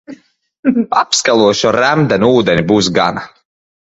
Apskalošu ar remdenu ūdeni, būs gana.